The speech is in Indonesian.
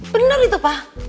bener itu pa